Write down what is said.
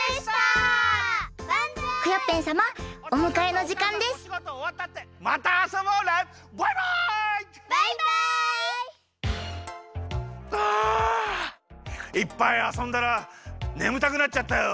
いっぱいあそんだらねむたくなっちゃったよ。